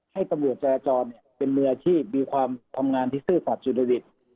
ให้ตำรวจจราจรเป็นมืออาชีพมีความทำงานที่ซื่อสัตว์สุจริต